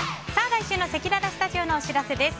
来週のせきららスタジオのお知らせです。